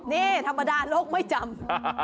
นี่ธรรมดาโลกไม่จำ